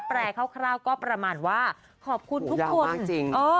แปลคร่าวก็ประมาณว่าขอบคุณทุกคนโอ้โฮยาวมากจริง